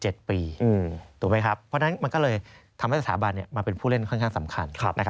เพราะฉะนั้นมันก็เลยทำให้สถาบันมาเป็นผู้เล่นค่อนข้างสำคัญ